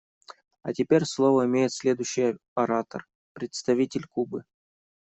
А теперь слово имеет следующий оратор − представитель Кубы.